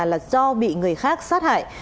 là do bị người khác sát hại